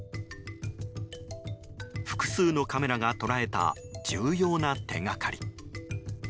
複数のカメラが捉えた重要な手掛かり。